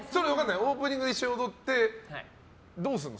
オープニングで一緒に踊ってどうするの？